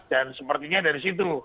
dan sepertinya dari situ